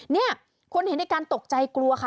เนี่ยคนเห็นในการตกใจกลัวค่ะ